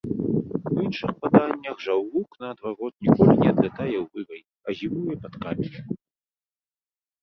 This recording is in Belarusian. У іншых паданнях жаўрук, наадварот, ніколі не адлятае ў вырай, а зімуе пад каменем.